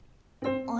あれ？